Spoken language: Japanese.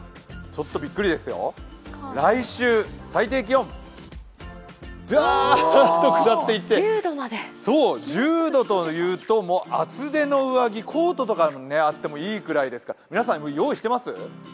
ちょっとびっくりですよ、来週、最低気温、ダーッと下っていって１０度というともう厚手の上着、コートとかあってもいいくらいですから、皆さんもう用意してます？